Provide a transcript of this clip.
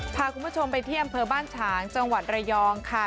พาคุณผู้ชมไปที่อำเภอบ้านฉางจังหวัดระยองค่ะ